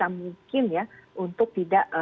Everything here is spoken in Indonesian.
mungkin ya untuk tidak